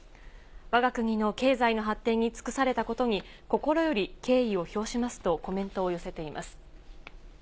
わが国の経済の発展に尽くされたことに心より敬意を表しますとコメントを寄せています。